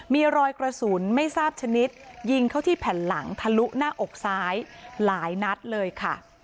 มีรอยกระสุนไม่ทราบชนิดยิงเข้าที่แผ่นหลังทะลุหน้าอกซ้ายหลายนัดเลยค่ะ